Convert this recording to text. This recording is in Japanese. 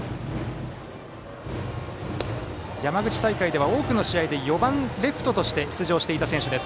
山口大会では、多くの試合で４番レフトとして出場していた選手です。